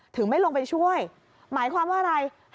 ไม่ลงไปช่วยหมายความว่าอะไร